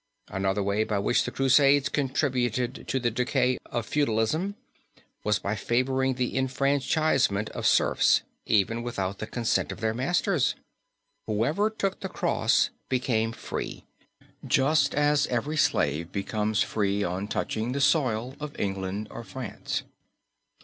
Another way by which the Crusades contributed to the decay of feudalism was by favoring the enfranchisement of serfs, even without the consent of their masters. Whoever took the cross became free, just as every slave becomes free on touching the soil of England or France.